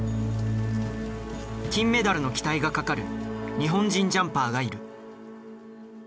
金メダルの期待がかかる日本人ジャンパーがいる。